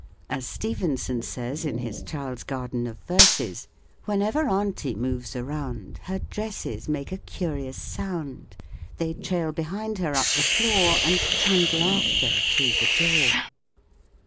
As Stevenson says in his Child's Garden of Verses :" Whenever Auntie moves around, Her dresses make a curious sound. They trail behind her up the floor And trundle after through the door."